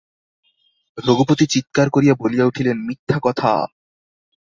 রঘুপতি চীৎকার করিয়া বলিয়া উঠিলেন, মিথ্যা কথা!